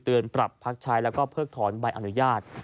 ปรับพักใช้แล้วก็เพิกถอนใบอนุญาต